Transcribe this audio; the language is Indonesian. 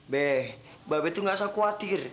be babi tuh nggak asal khawatir